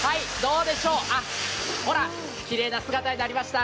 ほら、きれいな姿になりました。